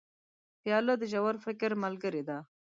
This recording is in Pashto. پیاله د ژور فکر ملګرې ده.